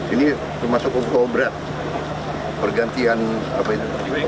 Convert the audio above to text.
ini termasuk umpau berat pergantian apa itu